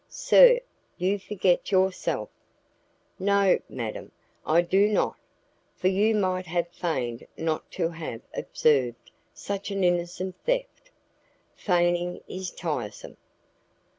"Sir, you forget yourself." "No, madam, I do not, for you might have feigned not to have observed such an innocent theft." "Feigning is tiresome."